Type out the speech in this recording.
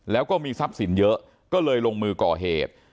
แล้วก็มีทรัพย์สินเยอะก็เลยลงมือก่อเหตุ